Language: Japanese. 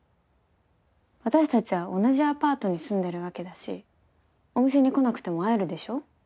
私たちは同じアパートに住んでるわけだしお店に来なくても会えるでしょ？